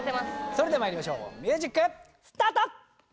それではまいりましょうミュージックスタート！